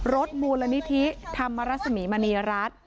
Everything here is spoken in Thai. มูลนิธิธรรมรสมีมณีรัฐ